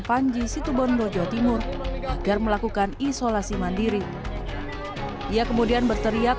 panji situ bondo jawa timur agar melakukan isolasi mandiri ia kemudian berteriak